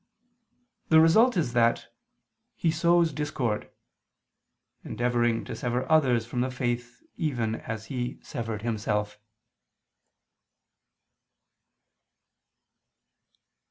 The result is that "he sows discord," endeavoring to sever others from the faith even as he severed himself.